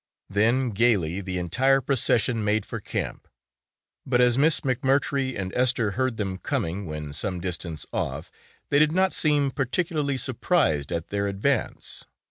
Then gaily the entire procession made for camp, but as Miss McMurtry and Esther heard them coming when some distance off, they did not seem particularly surprised at their advance.